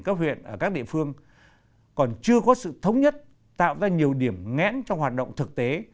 các huyện ở các địa phương còn chưa có sự thống nhất tạo ra nhiều điểm ngẽn trong hoạt động thực tế